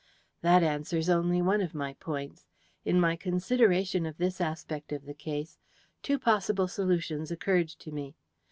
"That answers only one of my points. In my consideration of this aspect of the case, two possible solutions occurred to me.